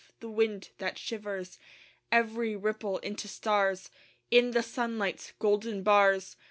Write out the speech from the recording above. the wind that shivers Every ripple into stars, In the sunlight's golden bars.